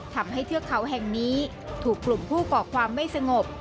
เทือกเขาแห่งนี้ถูกกลุ่มผู้ก่อความไม่สงบ